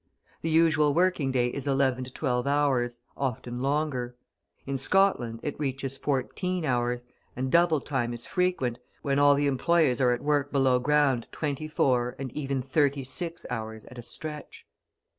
The usual working day is eleven to twelve hours, often longer; in Scotland it reaches fourteen hours, and double time is frequent, when all the employees are at work below ground twenty four, and even thirty six hours at a stretch.